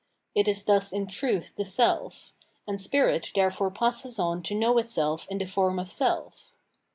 It is thus in truth the Self ; and spirit therefore passes on to know itself in the form of self.